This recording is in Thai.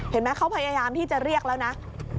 เห็นไหมเขาพยายามที่จะเรียกแล้วนะ